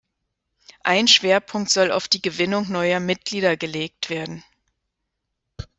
Ein Schwerpunkt soll auf die Gewinnung neuer Mitglieder gelegt werden.